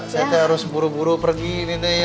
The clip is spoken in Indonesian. saya harus buru buru pergi nih teh ya